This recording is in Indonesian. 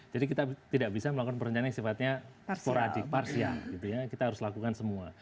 jadi kita tidak bisa melakukan perencanaan yang sifatnya parsial gitu ya kita harus lakukan semua